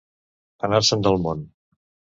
Anar-se'n del món.